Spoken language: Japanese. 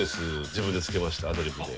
自分でつけましたアドリブで。